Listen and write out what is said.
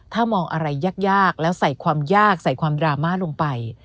ถ้ามองอะไรยากแล้วใส่ความยากใส่ความดราม่าลงไป